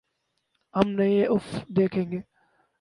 ہم نئے افق دیکھیں گے۔